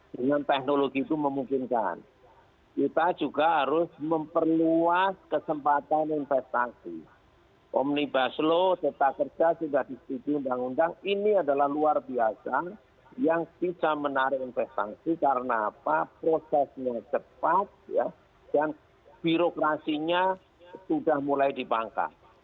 dengan teknologi itu memungkinkan kita juga harus memperluas kesempatan investasi omnibus law teta kerja juga disitu undang undang ini adalah luar biasa yang tidak menarik investasi karena prosesnya cepat dan birokrasinya sudah mulai dipangkat